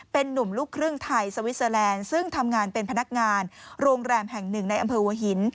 เป็นนุ่มลูกครึ่งไทยสวิสเตอร์แลนด์ซึ่งทำงานเป็นพนักงานโรงแรมแห่งหนึ่งในอำเภอหัวหิน